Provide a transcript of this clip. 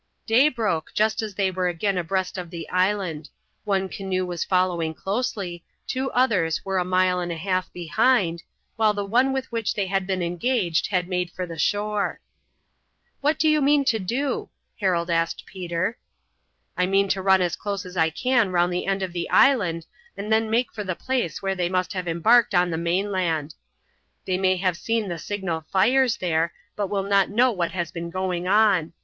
Day broke just as they were again abreast of the island. One canoe was following closely, two others were a mile and a half behind, while the one with which they had been engaged had made for the shore. "What do you mean to do?" Harold asked Peter. "I mean to run as close as I can round the end of the island, and then make for the place where they must have embarked on the mainland. They may have seen the signal fires there, but will not know what has been going on.